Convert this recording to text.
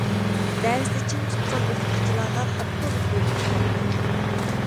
دەرستە چىڭ تۇتقان ئوقۇتقۇچىلارغا خاپا بولۇپ يۈرۈپتىكەنمەن.